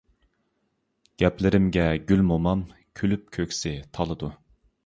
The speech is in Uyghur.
گەپلىرىمگە گۈل مومام، كۈلۈپ كۆكسى تالىدۇ.